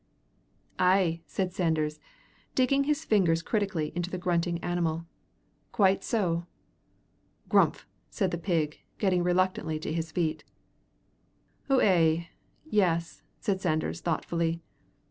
"Ay," said Sanders, digging his fingers critically into the grunting animal; "quite so." "Grumph!" said the pig, getting reluctantly to his feet. "Ou ay; yes," said Sanders, thoughtfully.